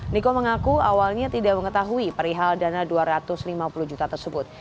niko mengaku awalnya tidak mengetahui perihal dana dua ratus lima puluh juta tersebut